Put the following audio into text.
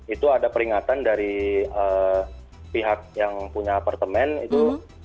itu ada peringatan dari pihak yang punya apartemen itu